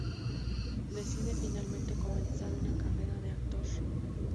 Decide finalmente comenzar una carrera de actor.